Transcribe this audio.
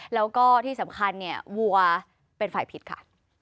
แล้วก็ที่สำคัญเนี่ยวัวเป็นฝ่ายผิดค่ะ